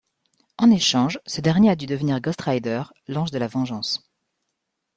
En échange, ce dernier a dû devenir Ghost Rider, l'ange de la vengeance.